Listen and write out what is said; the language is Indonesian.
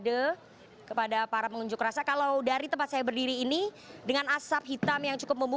anda lihat ada kebaran api di sana